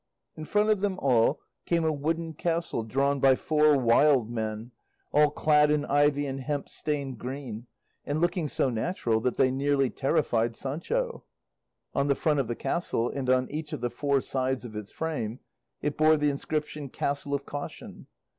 In front of them all came a wooden castle drawn by four wild men, all clad in ivy and hemp stained green, and looking so natural that they nearly terrified Sancho. On the front of the castle and on each of the four sides of its frame it bore the inscription "Castle of Caution."